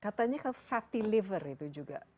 katanya fatty liver itu juga